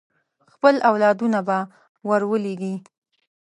خپل اولادونه به ور ولېږي.